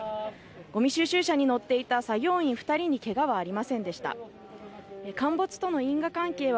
ごみ収集車に乗っていた作業員２人にけがはありませんでした。